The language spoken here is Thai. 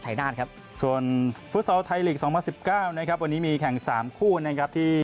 วันนี้มีแข่ง๓คู่นะครับที่